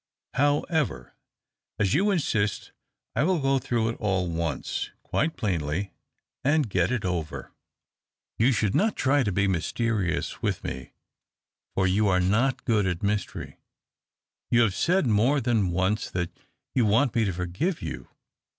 How ever, as you insist, I will go through it all once, quite plainly, and get it over. You THE OCTAVE OF CLAUDIUS. 247 should not try to be mysterious with mc, for you are not good at mystery. You have said more than once that you want me to forgive you.